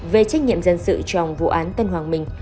về trách nhiệm dân sự trong vụ án tân hoàng minh